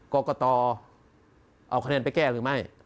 กรกตเอาคะแนนไปแก้หรือไม่